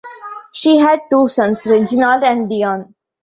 She had two sons, Reginald and Deon.